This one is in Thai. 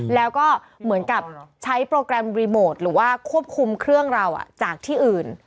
แล้วก็เหมือนกับใช้โปรแกรมรีโมทหรือว่าควบคุมเครื่องเราจากที่อื่น